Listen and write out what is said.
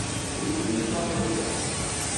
تلویزون چالانه کړه!